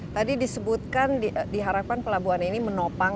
tadi disebutkan diharapkan pelabuhan ini menopang